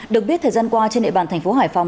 được biết thời gian qua trên địa bàn thành phố hải phòng